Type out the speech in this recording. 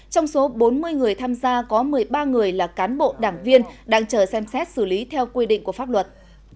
trong số bốn mươi người tham gia có một mươi ba người là cán bộ đảng viên đang chờ xem xét xử lý theo quy định của pháp luật